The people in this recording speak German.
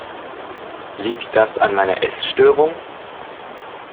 Liegt das an meiner Essstörung?